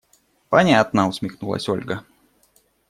Понятно! – усмехнулась Ольга.